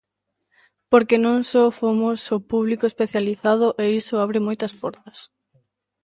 Porque non só fomos o público especializado e iso abre moitas portas.